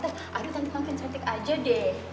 aduh tante makan cantik aja deh